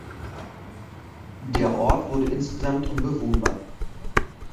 Der Ort wurde insgesamt unbewohnbar.